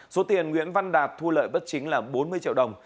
số tiền nguyễn văn đạt thu lợi bất chính là bốn mươi triệu đồng